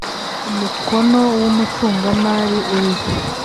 umukono wumucungamari uriho.